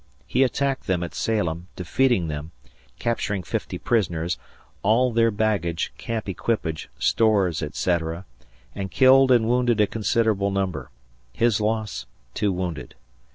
He attacked them at Salem, defeating them, capturing fifty prisoners, all their baggage, camp equipage, stores, etc., and killed and wounded a considerable number. His loss, two wounded.